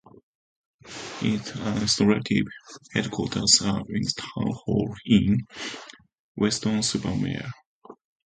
Its administrative headquarters are in the town hall in Weston-super-Mare.